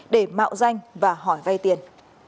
để mạo danh và hỏi vay tiền